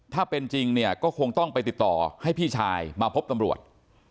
ถ้าเป็นจริงเนี่ยก็คงต้องไปติดต่อให้พี่ชายมาพบตำรวจ